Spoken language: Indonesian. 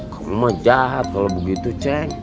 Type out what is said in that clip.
kamu jahat kalau begitu cek